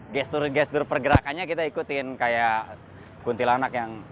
gestur gestur pergerakannya kita ikutin kayak kuntilanak yang